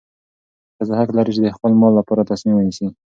ښځه حق لري چې د خپل مال لپاره تصمیم ونیسي.